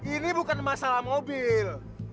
ini bukan masalah mobil